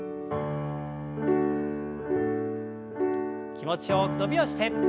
気持ちよく伸びをして。